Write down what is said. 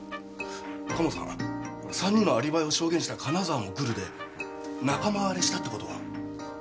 鴨さん３人のアリバイを証言した金澤もグルで仲間割れしたって事は。